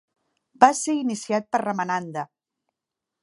Va ser iniciat per Ramananda.